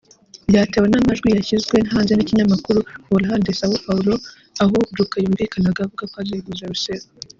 ryatewe n’amajwi yashyizwe hanze n’ikinyamakuru Folha de Sao Paulo aho Juca yumvikanaga avuga ko azeguza Roussef